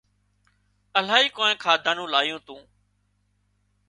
الاهي ڪانئين کاڌا نُون لايُون تُون